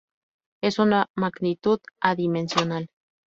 Es una magnitud adimensional.